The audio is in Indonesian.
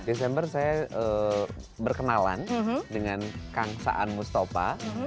desember saya berkenalan dengan kang saan mustafa